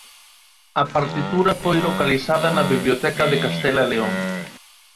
A partitura foi localizada na Biblioteca de Castela e León.